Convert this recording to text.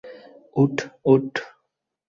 উঠ, উঠ।